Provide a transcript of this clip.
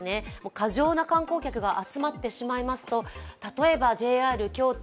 過剰な観光客が集まってしまいますと、例えばＪＲ京都。